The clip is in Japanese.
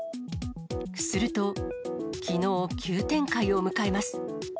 すると、きのう急展開を迎えます。